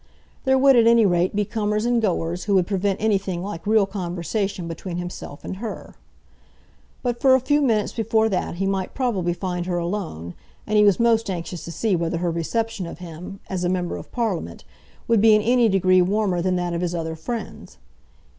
There would, at any rate, be comers and goers, who would prevent anything like real conversation between himself and her. But for a few minutes before that he might probably find her alone, and he was most anxious to see whether her reception of him, as a member of Parliament, would be in any degree warmer than that of his other friends.